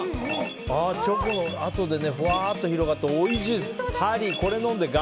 チョコのあとでふわーっと広がっておいしいです。